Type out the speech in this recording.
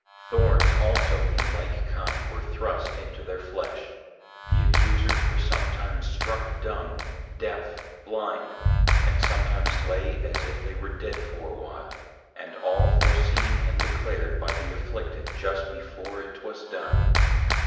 Thorns also in like kind were thrust into their flesh; the accusers were sometimes struck dumb, deaf, blind, and sometimes lay as if they were dead for a while, and all foreseen and declared by the afflicted just before it 'twas done.